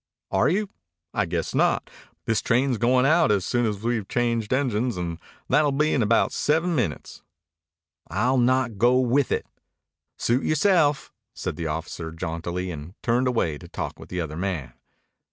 "Are you? I guess not. This train's going out soon as we've changed engines, and that'll be in about seven minutes." "I'll not go with it." "Suit yourself," said the officer jauntily, and turned away to talk with the other man.